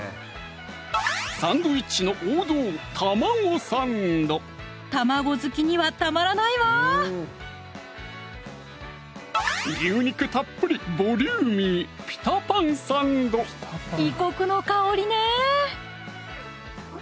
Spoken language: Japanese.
サンドイッチの王道たまご好きにはたまらないわ牛肉たっぷりボリューミー異国の香りね